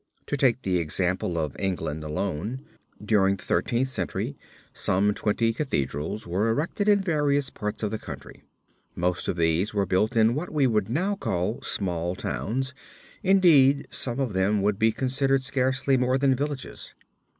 To take the example of England alone, during the Thirteenth Century some twenty cathedrals were erected in various parts of the country. Most of these were built in what we would now call small towns, indeed some of them would be considered scarcely more than villages.